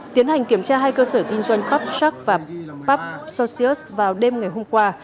tiến hành kiểm tra hai cơ sở kinh doanh pubshark và pubsocius vào đêm ngày hôm qua